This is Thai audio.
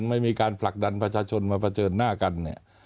ไม่มีการผลักดันประชาชนมาเผชิญหน้ากันเนี่ย